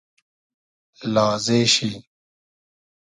لازې شی